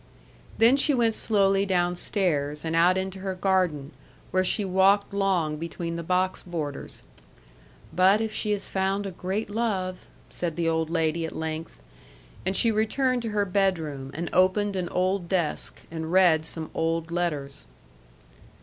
Then she went slowly downstairs, and out into her garden, where she walked long between the box borders. "But if she has found a great love," said the old lady at length. And she returned to her bedroom, and opened an old desk, and read some old letters.